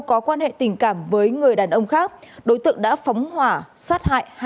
có quan hệ tình cảm với người đàn ông khác đối tượng đã phóng hỏa sát hại hai mẹ con nạn nhân